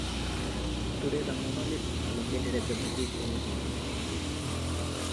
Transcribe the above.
Today the monoliths are located at the British Museum.